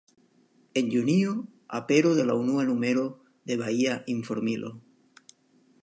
En Junio apero de la unua numero de “Bahia Informilo”.